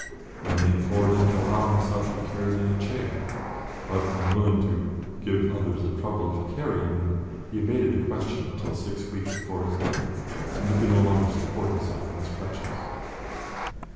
Then they implored him to allow himself to be carried in a chair, but, unwilling to give others the trouble of carrying him, he evaded the question until six weeks before his death, when he could no longer support himself on his crutches.